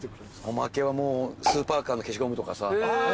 おまけはスーパーカーの消しゴムとかさ。